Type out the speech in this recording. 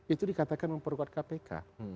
itu dikatakan memperkuat kpk